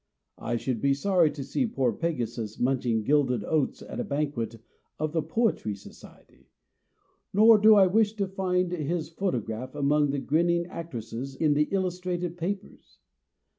I should be sorry to see poor Pegasus munch ing gilded oats at a banquet of the Poetry Society, nor do I wish to find his photograph among the grinning actresses in the illus trated papers.